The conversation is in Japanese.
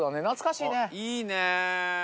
いいね。